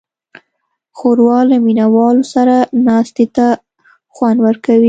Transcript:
ښوروا له مینهوالو سره ناستې ته خوند ورکوي.